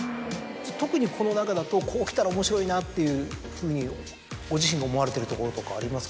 特にこの中だとこうきたら面白いなっていうふうにご自身が思われてるところとかありますか？